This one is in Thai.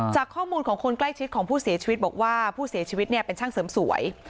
จากข้อมูลของคนใกล้ชิดของผู้เสียชีวิตบอกว่าผู้เสียชีวิตเนี่ยเป็นช่างเสริมสวย